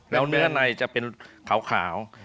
แล้วเนื้อในจะเป็นขาว